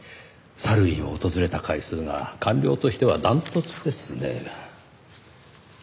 サルウィンを訪れた回数が官僚としては断トツですねぇ。